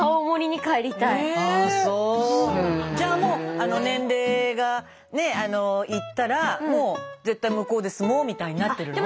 じゃあもう年齢がねいったらもう絶対向こうで住もうみたいになってるの？